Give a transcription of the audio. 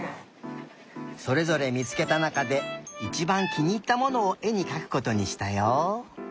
それぞれみつけたなかでいちばんきにいったものをえにかくことにしたよ。